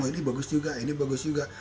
ini bagus juga ini bagus juga